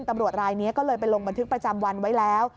ตำรวจรายนี้ก็เลยไปลงบันทึกประจำวันไว้แล้ว